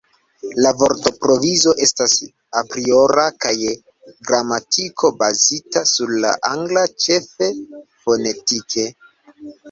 La vortprovizo estas apriora kaj gramatiko bazita sur la angla, ĉefe fonetike.